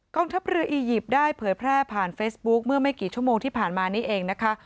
ทัพเรืออียิปต์ได้เผยแพร่ผ่านเฟซบุ๊คเมื่อไม่กี่ชั่วโมงที่ผ่านมานี้เองนะคะ